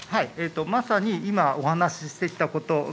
まさに、今お話ししてきたことが